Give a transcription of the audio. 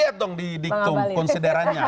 lihat dong di diktum konsiderannya